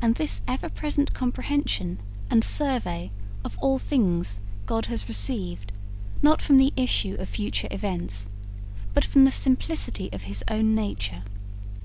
And this ever present comprehension and survey of all things God has received, not from the issue of future events, but from the simplicity of His own nature.